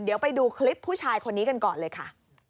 เดี๋ยวไปดูคลิปผู้ชายคนนี้กันก่อนเลยค่ะ